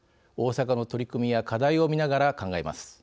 大阪の取り組みや課題を見ながら考えます。